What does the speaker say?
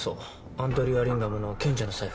アンドリュー・アリンガムの「賢者の財布」。